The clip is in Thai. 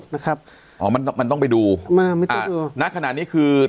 นะครับอ๋อมันมันต้องไปดูมาไม่ต้องดูณขณะนี้คือ